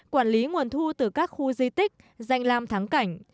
quản lý nguồn thu từ các khu di tích danh lam thắng cảnh